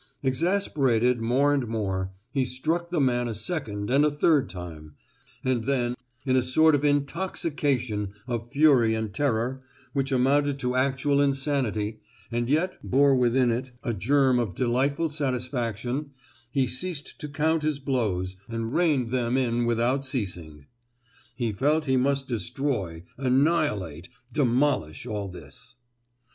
Exasperated more and more, he struck the man a second and a third time; and then—in a sort of intoxication of fury and terror, which amounted to actual insanity, and yet bore within it a germ of delightful satisfaction, he ceased to count his blows, and rained them in without ceasing. He felt he must destroy, annihilate, demolish all this.